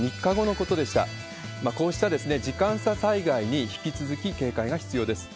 こうした時間差災害に引き続き警戒が必要です。